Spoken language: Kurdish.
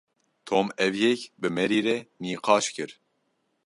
Tom ev yek bi Maryê re nîqaş kir.